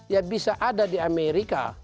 ya bisa ada di amerika